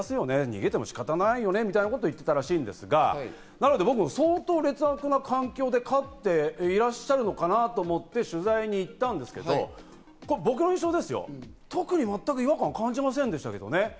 逃げても仕方ないよねみたいなことを言っていたみたいですが、私も相当劣悪な環境で飼っていらっしゃるのかなと思って取材に行ったんですけど、僕の印象ですよ、特に全く違和感は感じませんでしたけどね。